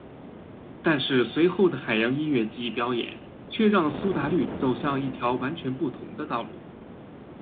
但是随后的海洋音乐季表演却让苏打绿走向一条完全不同的道路。